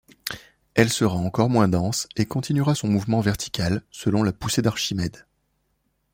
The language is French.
Elle sera alors moins dense et continuera son mouvement vertical selon la poussée d’Archimède.